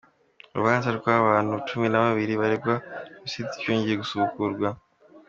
Urubanza rw’abantu Cumi nababiri baregwa jenoside rwongeye gusubukurwa